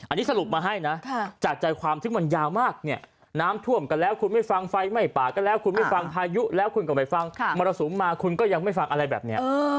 อันนี้สรุปมาให้นะจากใจความที่มันยาวมากเนี่ยน้ำท่วมกันแล้วคุณไม่ฟังไฟไม่ปากกันแล้วคุณไม่ฟังพายุแล้วคุณก็ไม่ฟังมรสุมมาคุณก็ยังไม่ฟังอะไรแบบนี้